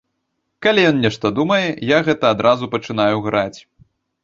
Калі ён нешта думае, я гэта адразу пачынаю граць.